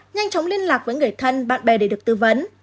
nhanh chóng liên lạc với người thân bạn bè để được tư vấn